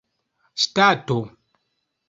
ŝtato